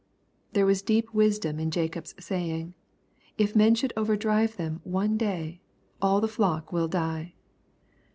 There was deep wisdom in Jacob's saying, " If men should over drive them one day, aU the flock will die.''